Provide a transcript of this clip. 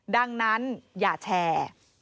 ดังนั้นอย่าแชร์